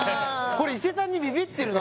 これ伊勢丹にビビってるな